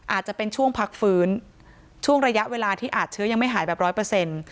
อาจจะเป็นช่วงพักฟื้นช่วงระยะเวลาที่อาจเชื้อยังไม่หายแบบร้อยเปอร์เซ็นต์